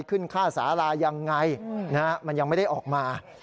ขึ้นค่าสาลายังไงมันยังไม่ได้ออกมา